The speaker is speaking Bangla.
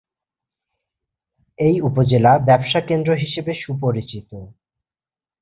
এই উপজেলা ব্যবসা কেন্দ্র হিসেবে সুপরিচিত।